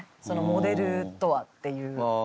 「モデルとは」っていう。